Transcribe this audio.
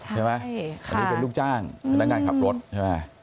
ใช่ไหมอันนี้เป็นลูกจ้างพนักงานขับรถใช่ไหม